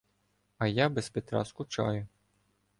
А я без Петра скучаю